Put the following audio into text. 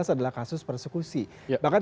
adalah kasus persekusi bahkan